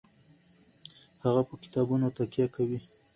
هغه په کتابونو تکیه کوي.